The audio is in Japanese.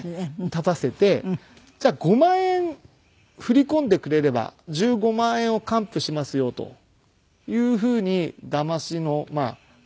立たせて「じゃあ５万円振り込んでくれれば１５万円を還付しますよ」というふうにだましのテクニックなんですね。